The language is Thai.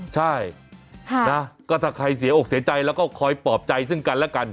ใช่นะก็ถ้าใครเสียอกเสียใจแล้วก็คอยปลอบใจซึ่งกันและกัน